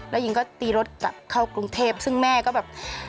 แล้วหญิงก็ตีรถกลับเข้ากรุงเทพซึ่งแม่ก็แบบ